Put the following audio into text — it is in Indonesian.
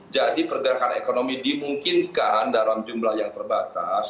jadi pergerakan ekonomi dimungkinkan dalam jumlah yang terbatas